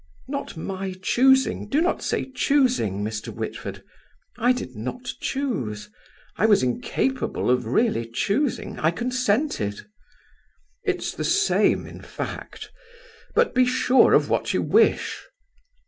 "Not my choosing; do not say choosing, Mr. Whitford. I did not choose. I was incapable of really choosing. I consented." "It's the same in fact. But be sure of what you wish."